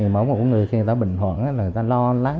mà mỗi người khi người ta bệnh hoạn là người ta lo lắng